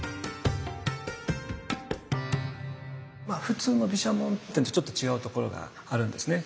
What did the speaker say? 普通の毘沙門天とちょっと違うところがあるんですね。